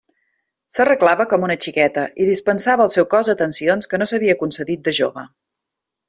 S'arreglava com una xiqueta, i dispensava al seu cos atencions que no s'havia concedit de jove.